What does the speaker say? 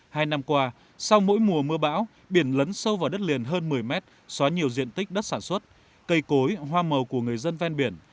hai năm qua sau mỗi mùa mưa bão biển lấn sâu vào đất liền hơn một mươi mét xóa nhiều diện tích đất sản xuất cây cối hoa màu của người dân ven biển